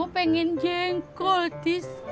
bapak gue pingin jengkol tis